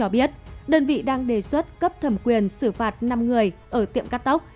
biết đơn vị đang đề xuất cấp thẩm quyền xử phạt năm người ở tiệm cắt tóc